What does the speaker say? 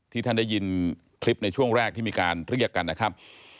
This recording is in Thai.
ท่านได้ยินคลิปในช่วงแรกที่มีการเรียกกันนะครับ